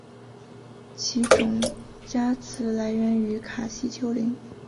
其种加词来源于卡西丘陵。